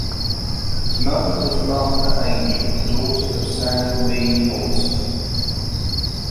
His mother was Martha Angel, daughter of Samuel Meade Hobson.